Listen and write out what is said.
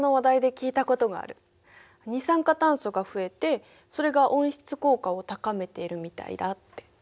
二酸化炭素が増えてそれが温室効果を高めているみたいだって。